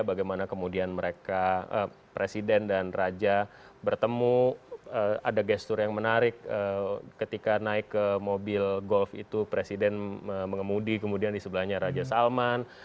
bagaimana kemudian mereka presiden dan raja bertemu ada gestur yang menarik ketika naik ke mobil golf itu presiden mengemudi kemudian di sebelahnya raja salman